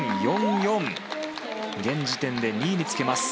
現時点で２位につけます。